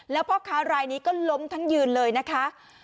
แล้วพ่อค้ารายนี้ก็ล้มทั้งยืนเลยนะคะ